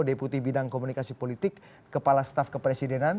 deputi bidang komunikasi politik kepala staf kepresidenan